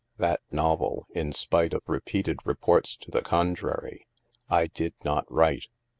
That novel, in spite of repeated reports to the contrary, I did not write.